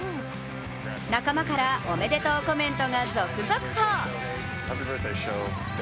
仲間からおめでとうコメントが続々と。